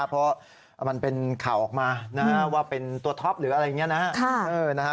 เพราะมันเป็นข่าวออกมาว่าเป็นตัวท็อปหรืออะไรอย่างนี้นะฮะ